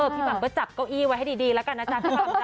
หม่ำก็จับเก้าอี้ไว้ให้ดีแล้วกันนะจ๊ะ